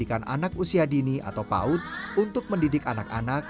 eis juga mendirikan anak usia dini atau paut untuk mendidik anak anak